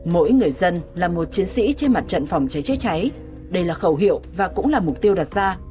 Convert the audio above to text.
mỗi người dân là một chiến sĩ trên mặt trận phòng cháy chữa cháy đây là khẩu hiệu và cũng là mục tiêu đặt ra